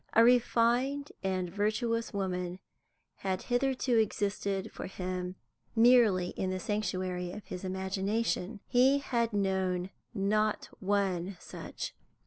A refined and virtuous woman had hitherto existed for him merely in the sanctuary of his imagination; he had known not one such.